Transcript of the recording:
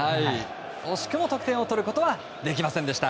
惜しくも得点を取ることはできませんでした。